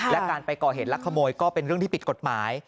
และการไปก่อเหตุลักขโมยก็เป็นเรื่องที่ผิดกฎหมาย